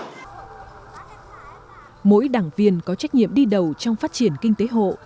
mỗi đảng viên có trách nhiệm đi đầu trong phát triển kinh tế hộ các đảng viên có trách nhiệm đi đầu trong phát triển kinh tế hộ